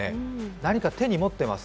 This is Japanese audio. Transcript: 何か、手に持っています。